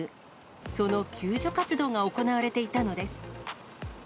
その救助活動が行われていたのです。